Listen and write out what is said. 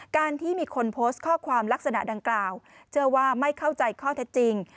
การที่มีคนโพสต์ข้อความลักษณะดังกล่าวเชื่อว่าไม่เข้าใจข้อเท็จจริง